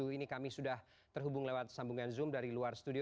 ini kami sudah terhubung lewat sambungan zoom dari luar studio